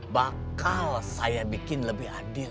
bakal saya bikin lebih adil